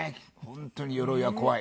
本当に鎧は怖い。